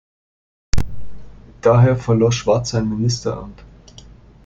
Daher verlor Schwarz sein Ministeramt.